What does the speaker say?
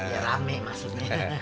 ya rame maksudnya